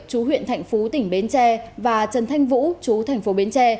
chú huyện thành phố tỉnh bến tre và trần thanh vũ chú thành phố bến tre